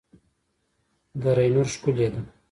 د دره نور ښکلې ده